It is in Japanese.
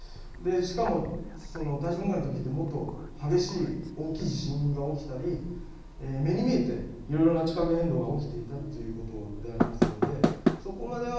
しかも大正噴火のときというのはもっと激しい大きい地震が起きたり目に見えていろいろな地殻変動が起きていたということでありますので、そこまでは